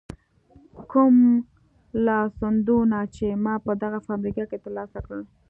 کوم لاسوندونه چې ما په دغه فابریکه کې تر لاسه کړل.